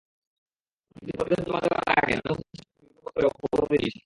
কিন্তু প্রতিবেদন জমা দেওয়ার আগে নানামুখী চাপে বিব্রত বোধ করে অব্যাহতি নিয়েছি।